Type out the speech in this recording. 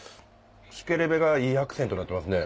シケレベがいいアクセントになってますね。